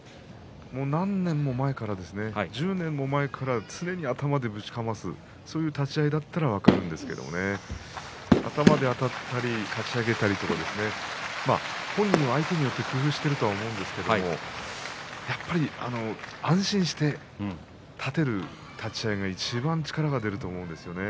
何年も前から１０年も前から常に頭でぶちかますそういう立ち合いだったら分かるんですけども頭であたった時にかち上げたり本人は相手によって工夫していると思うんですがやはり安心して勝てる立ち合いがいちばん力が出ると思うんですね。